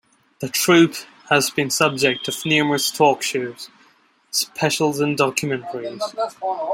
The troupe has been subject of numerous talk shows, specials and documentaries.